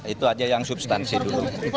itu aja yang substansi dulu